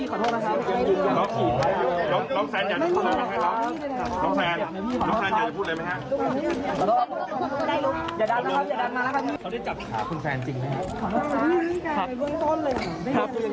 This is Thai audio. ก็อะไรนะครับ